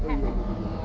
ya tidur dah